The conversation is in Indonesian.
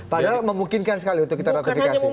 padahal memungkinkan sekali untuk kita ratifikasi